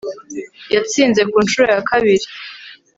Yatsinze ku ncuro ya kabiri